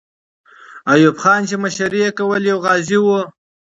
ایوب خان چې مشري یې کوله، یو غازی وو.